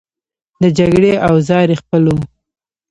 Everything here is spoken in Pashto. د جګړې اوزار یې خپل وو.